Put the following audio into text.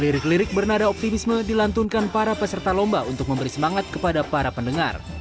lirik lirik bernada optimisme dilantunkan para peserta lomba untuk memberi semangat kepada para pendengar